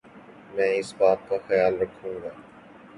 میں اس بات کا خیال رکھوں گا ـ